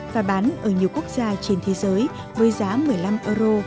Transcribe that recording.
và bán ở nhiều quốc gia trên thế giới với giá một mươi năm euro